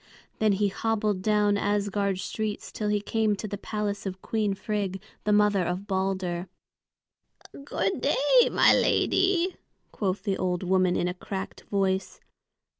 Then he hobbled down Asgard streets till he came to the palace of Queen Frigg, the mother of Balder. "Good day, my lady," quoth the old woman, in a cracked voice.